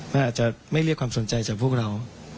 มันอาจจะไม่เรียกความสนใจจากพวกเรา